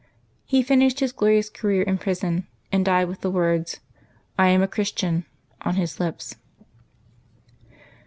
He finished his glorious career in prison, and died with the words, *^ I am a Christian," on his lips.